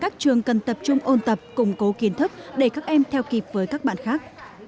các trường cần tập trung ôn tập củng cố kiến thức để các em theo kịp với các bạn khác